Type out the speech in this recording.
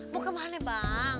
mau ke mana bang